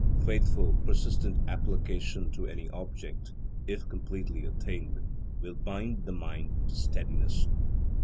Faithful, persistent application to any object, if completely attained, will bind the mind to steadiness.